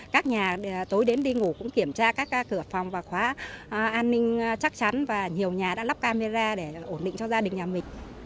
các nhà tối đến đi ngủ cũng kiểm tra các cửa phòng và khóa an ninh chắc chắn và nhiều nhà đã lắp camera để ổn định cho gia đình nhà mình